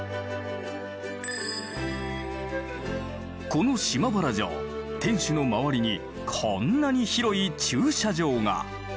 この島原城天守の周りにこんなに広い駐車場が。